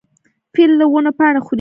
فیل له ونو پاڼې خوري.